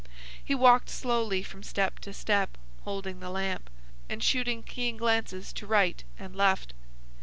He walked slowly from step to step, holding the lamp, and shooting keen glances to right and left.